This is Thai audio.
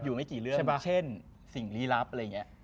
อยู่ไม่กี่เรื่องเช่นสิ่งลีรับอะไรอย่างนี้